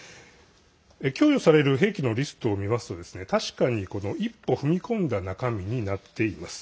供与される兵器のリストを見ますと確かに一歩踏み込んだ中身になっています。